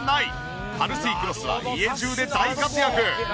パルスイクロスは家中で大活躍。